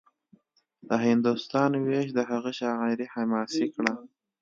د هندوستان وېش د هغه شاعري حماسي کړه